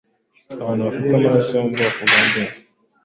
Abantu bafite amaraso yo mu bwoko bwa B